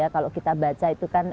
kalau kita baca